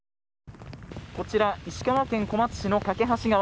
こちら、石川県小松市の梯川。